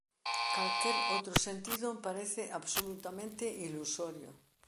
Calquera outro sentido parece absolutamente ilusorio.